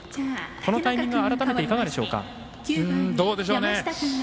このタイミング改めていかがでしょうか。